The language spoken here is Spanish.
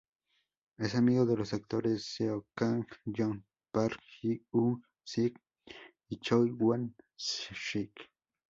Es amigo de los actores Seo Kang-joon, Park Hyung-sik y Choi Woo-shik.